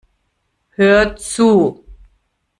Hör zu!